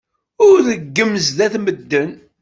Ur reggem sdat medden.